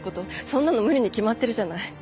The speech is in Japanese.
そんなの無理に決まってるじゃない。